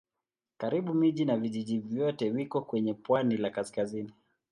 Karibu miji na vijiji vyote viko kwenye pwani la kaskazini.